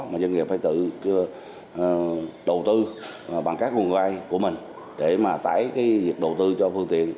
mà doanh nghiệp phải tự đầu tư bằng các nguồn vai của mình để mà tái việc đầu tư cho phương tiện